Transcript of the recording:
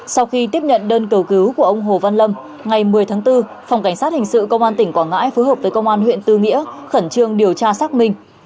sau khi tiếp nhận đơn cầu cứu của ông hồ văn lâm ngày một mươi tháng bốn phòng cảnh sát hình sự công an tỉnh quảng ngãi phối hợp với công an huyện tư nghĩa khẩn trương điều tra xác minh